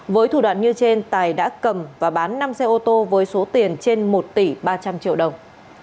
với thủ đoạn như trên tài đã cầm và bán năm xe ô tô với số tiền trên một tỷ ba trăm linh triệu đồng